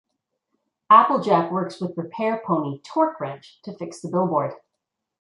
Applejack works with repair pony Torque Wrench to fix the billboard.